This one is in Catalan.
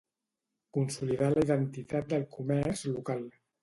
consolidar la identitat del comerç local